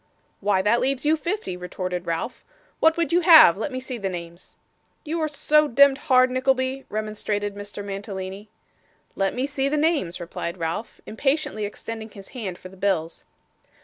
'Why, that leaves you fifty,' retorted Ralph. 'What would you have? Let me see the names.' 'You are so demd hard, Nickleby,' remonstrated Mr. Mantalini. 'Let me see the names,' replied Ralph, impatiently extending his hand for the bills.